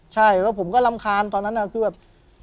ใช่แล้วผมก็รำคาญตอนนั้นคือแบบ